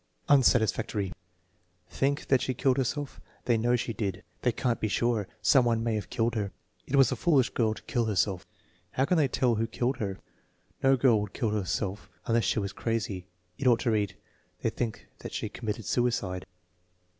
Unsatisfactory. " Think that she killed herself; they Jcnow she did." "They can't be sure. Some one may have killed her." "It was a foolish girl to kill herself." "How can they tell who killed her?" "No girl would kill herself unless she was crazy." "It ought to read: 'They think that she committed suicide.'"